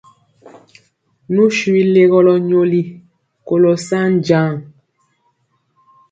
Nu swi legɔlɔ nyoli kolɔ sa jaŋ.